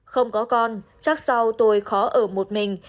không có con chắc sau tôi khó ở một mình